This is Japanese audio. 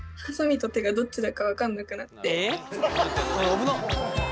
危なっ！